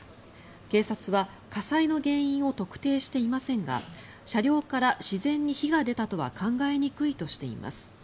警察は火災の原因を特定していませんが車両から自然に火が出たとは考えにくいとしています。